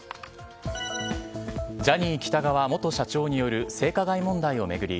ジャニー喜多川元社長による性加害問題を巡り